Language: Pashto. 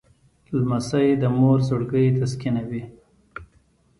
لمسی د مور زړګی تسکینوي.